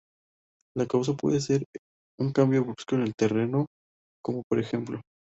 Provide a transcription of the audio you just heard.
Las causas pueden ser: un cambio brusco en el terreno, como por ej.